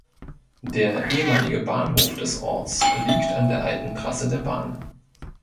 Der ehemalige Bahnhof des Orts liegt an der alten Trasse der Bahn.